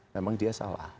memang dia salah